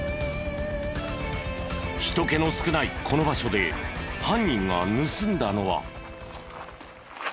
人けの少ないこの場所で犯人が盗んだのは。